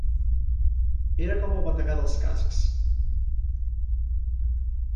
Era com el bategar dels cascs.